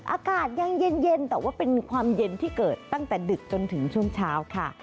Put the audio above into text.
อากาศยังเย็นแต่ว่าเป็นความเย็นที่เกิดตั้งแต่ดึกจนถึงช่วงเช้าค่ะ